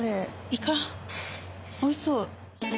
イカおいしそう。